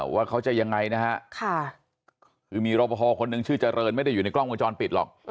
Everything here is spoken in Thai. ว่าเขาจะยังไงนะฮะคือมีรอปภคนหนึ่งชื่อเจริญไม่ได้อยู่ในกล้องวงจรปิดหรอก